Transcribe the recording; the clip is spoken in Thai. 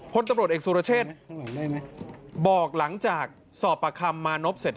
พลตำรวจเอกสุรเชษบอกหลังจากสอบประคำมานพเสร็จ